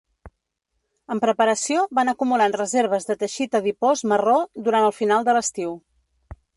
En preparació van acumulant reserves de teixit adipós marró durant el final de l'estiu.